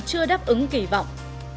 chưa đáp ứng kỳ vọng